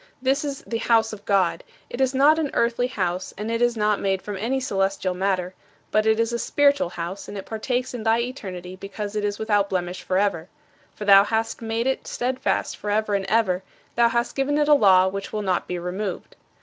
This is "the house of God." It is not an earthly house and it is not made from any celestial matter; but it is a spiritual house, and it partakes in thy eternity because it is without blemish forever. For thou hast made it steadfast forever and ever; thou hast given it a law which will not be removed.